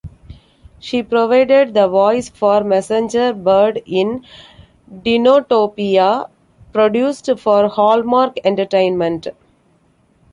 She provided the voice for Messenger Bird in "Dinotopia", produced for Hallmark Entertainment.